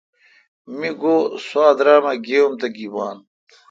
می گو سوا درامہ گیی ام تہ گیبان۔